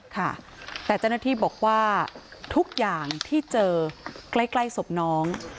ค่ะแต่เจ้าหน้าที่บอกว่าทุกอย่างที่เจอใกล้ศพน้อง